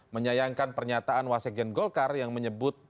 menyayangkan pernyataan wasekjen golkar yang menyebut